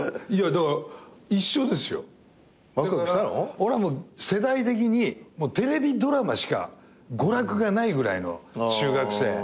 俺はもう世代的にもうテレビドラマしか娯楽がないぐらいの中学生。